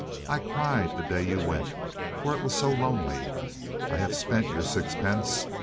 I cried the day you went, for it was so lonely. I have spent your sixpence.